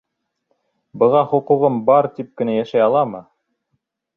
Быға хоҡуғым бар, тип кенә йәшәй аламы?